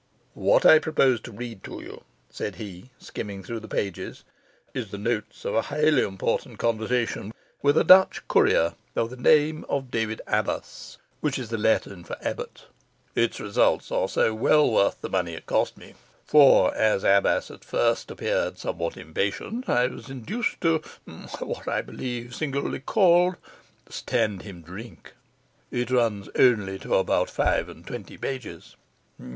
'What I propose to read to you,' said he, skimming through the pages, 'is the notes of a highly important conversation with a Dutch courier of the name of David Abbas, which is the Latin for abbot. Its results are well worth the money it cost me, for, as Abbas at first appeared somewhat impatient, I was induced to (what is, I believe, singularly called) stand him drink. It runs only to about five and twenty pages.